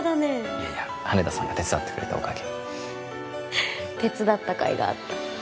いやいや羽田さんが手伝ってくれたおかげ手伝った甲斐があった